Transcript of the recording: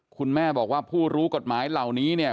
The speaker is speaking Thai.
คุณแม่บอกว่าผู้รู้กฎหมายเหล่านี้เนี่ย